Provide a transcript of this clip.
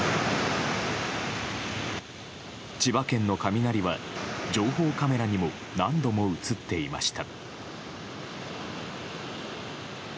千葉県の雷は情報カメラにも何度も映っていました。